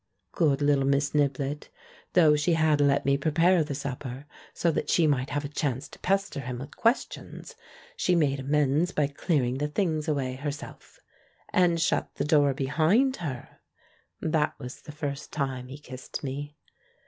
Good httle Miss Niblett ! Though she had let me prepare the supper so that she might have a chance to pester him with questions, she made amends by clearing the things away herself. And shut the door behind her! That was the first time he kissed me.